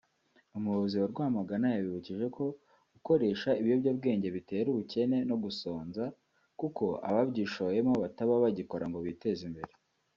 umuyobozi wa Rwamagana yabibukije ko gukoresha ibiyobyabwenge bitera ubukene no gusonza kuko ababyishoyemo bataba bagikora ngo biteze imbere